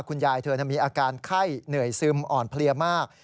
เธอมีอาการไข้เหนื่อยซึมอ่อนเพลียมาก